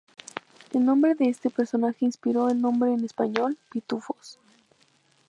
El nombre de este personaje inspiró el nombre en español "Pitufos".